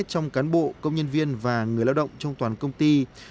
trong cán bộ công nhân viên và người lao động trong toàn công ty